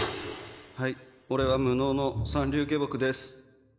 はい俺は無能の三流下僕です